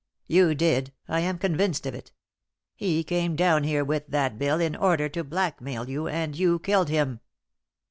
"You did. I am convinced of it. He came down here with that bill in order to blackmail you and you killed him."